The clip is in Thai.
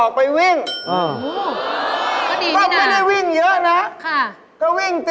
คราวนี้ก็ยกเวท